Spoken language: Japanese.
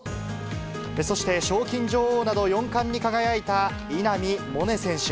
そして賞金女王など４冠に輝いた稲見萌寧選手。